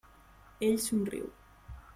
Ell somriu.